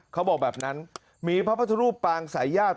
เขาบอกแบบนั้นมีพระพุทธรูปปางสายญาติ